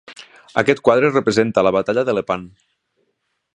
Aquest quadre representa la batalla de Lepant.